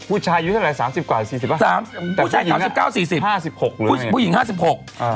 ผู้ชายอยู่เท่าไหร่๓๐กว่า๔๐ปะแต่ผู้หญิงอะ๕๖หรือไง